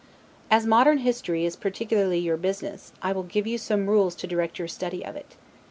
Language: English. As modern history is particularly your business, I will give you some rules to direct your study of it.